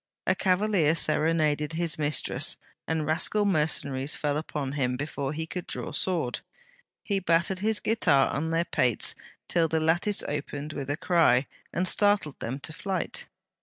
'A cavalier serenaded his mistress, and rascal mercenaries fell upon him before he could draw sword. He battered his guitar on their pates till the lattice opened with a cry, and startled them to flight.